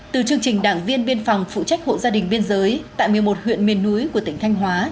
từ chương trình đảng viên biên phòng phụ trách hộ gia đình biên giới tại một mươi một huyện miền núi của tỉnh thanh hóa